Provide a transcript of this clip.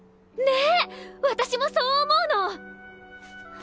ねっ私もそう思うの！